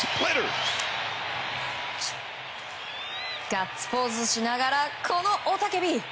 ガッツポーズしながらこのおたけび！